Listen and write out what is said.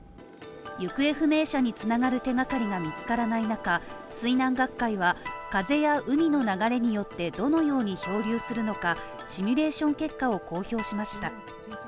行方不明者につながる手がかりが見つからない中水難学会は、風や海の流れによってどのように漂流するのかシミュレーション結果を公表しました。